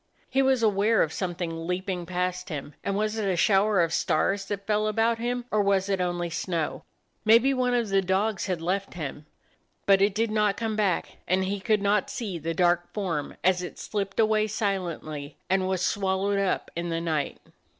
He was aware of something leaping past him; and was it a 40 A DOG OF THE NORTHLAND shower of stars that fell about him, or was it only snow? Maybe one of the dogs had left him. But it did not come back; and he could not see the dark form as it slipped away si lently, and was swallowed up in the night.